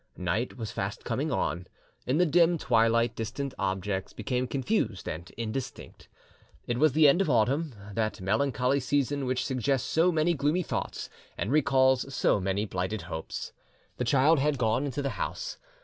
Night was fast coming on; in the dim twilight distant objects became confused and indistinct. It was the end of autumn, that melancholy season which suggests so many gloomy thoughts and recalls so many blighted hopes. The child had gone into the house.